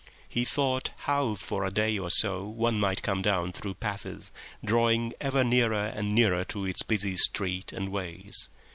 He thought how for a day or so one might come down through passes drawing ever nearer and nearer to its busy streets and ways.